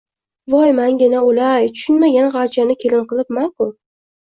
Voy mangina o`lay, tushunmagan g`alchani kelin qilibman-ku